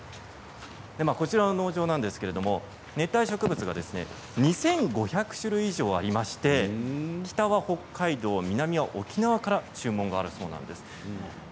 こちらの農場なんですけれど熱帯植物が２５００種類以上ありまして北は北海道南は沖縄から注文があるそうです。